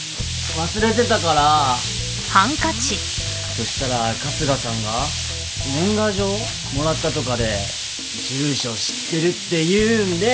そしたら春日さんが年賀状もらったとかで住所知ってるっていうんで。